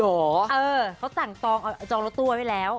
เออเขาสั่งจองรถตู้เอาไว้แล้ว